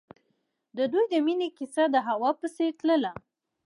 د دوی د مینې کیسه د هوا په څېر تلله.